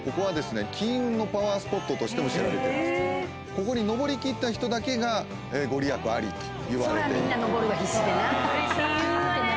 ここに登り切った人だけが御利益ありといわれている。